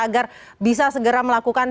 agar bisa segera melakukan